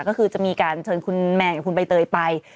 ก็คือจะมีการเชิญคุณแมนกับคุณใบเตยไป